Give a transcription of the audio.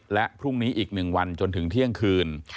และพรุ่งนี้อีก๑วันจนถึงเที่ยงคืน